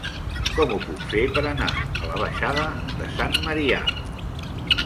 Com ho puc fer per anar a la baixada de Sant Marià?